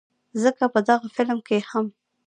ځکه په دغه فلم کښې هم